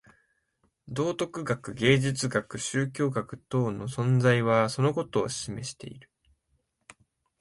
道徳学、芸術学、宗教学等の存在はそのことを示している。